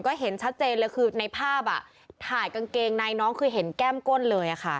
ก็เห็นชัดเจนเลยคือในภาพถ่ายกางเกงในน้องคือเห็นแก้มก้นเลย